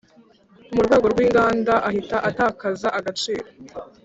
mu rwego rw inganda ahita atakaza agaciro